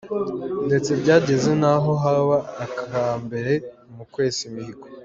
Ndetse byageze n’aho kaba aka mbere mu kwesa imihigo.